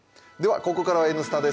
ここからは「Ｎスタ」です。